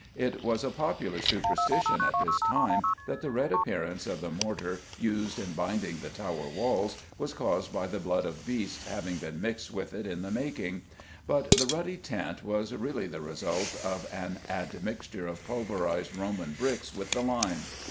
It was a popular superstition at this time that the red appearance of the mortar used in binding the Tower walls was caused by the blood of beasts having been mixed with it in the making; but the ruddy tint was really the result of an admixture of pulverised Roman bricks with the lime.